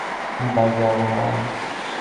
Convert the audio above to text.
কী বাজে আবহাওয়া!